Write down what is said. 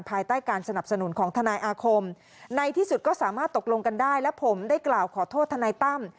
ภายใต้การสนับสนุนของทนายอาคมในที่สุดก็สามารถตกลงกันได้และผมได้กล่าวขอโทษทนายตั้ม